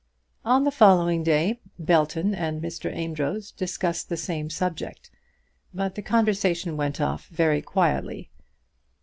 On the following day Belton and Mr. Amedroz discussed the same subject, but the conversation went off very quietly.